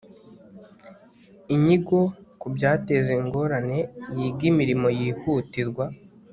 inyigo ku byateza ingorane yiga imirimo yihutirwa